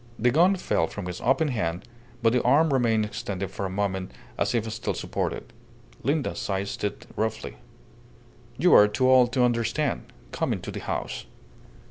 The gun fell from his opened hand, but the arm remained extended for a moment as if still supported. Linda seized it roughly. "You are too old to understand. Come into the house."